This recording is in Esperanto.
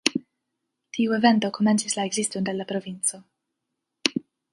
Tiu evento komencis la ekziston de La Provinco.